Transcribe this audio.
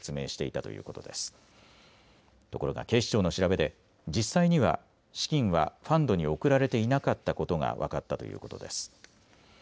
ところが警視庁の調べで実際には資金はファンドに送られていなかったことが分かったということです。